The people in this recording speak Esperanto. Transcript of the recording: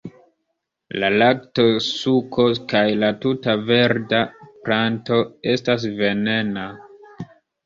La laktosuko kaj la tuta verda planto estas venena.